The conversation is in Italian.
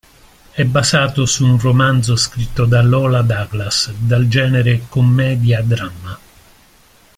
È basato su un romanzo scritto da Lola Douglas dal genere commedia-dramma.